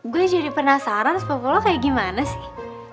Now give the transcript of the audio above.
gue jadi penasaran sepupu lo kayak gimana sih